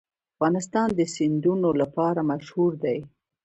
افغانستان د سیندونه لپاره مشهور دی.